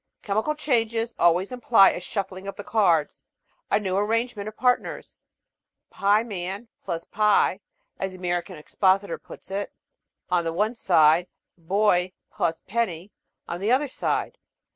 Chemical changes always imply a shuffling of the cards, a new arrangement of partners. "Pieman + pie," as the American expositor puts it, "on the one side; Boy + penny on the other side."